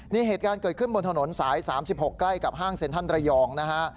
นี่เหตุการณ์เกิดขึ้นบนถนนสาย๓๖ใกล้กับห้างเซ็นทรัลระยองนะฮะ